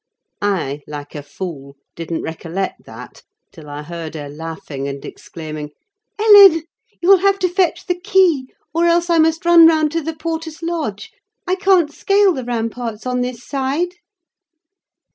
I, like a fool, didn't recollect that, till I heard her laughing and exclaiming—"Ellen! you'll have to fetch the key, or else I must run round to the porter's lodge. I can't scale the ramparts on this side!"